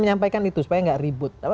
menyampaikan itu supaya nggak ribut